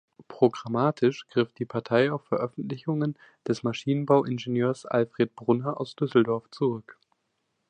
Programmatisch griff die Partei auf Veröffentlichungen des Maschinenbauingenieurs Alfred Brunner aus Düsseldorf zurück.